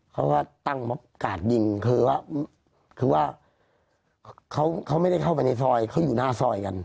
เขาก็ตั้งมอบกาดยิงคือว่าคือว่าเขาไม่ได้เข้าไปในซอยเขาอยู่หน้าซอยกัน